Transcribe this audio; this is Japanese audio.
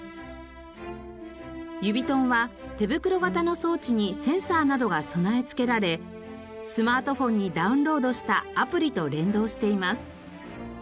Ｕｂｉｔｏｎｅは手袋型の装置にセンサーなどが備え付けられスマートフォンにダウンロードしたアプリと連動しています。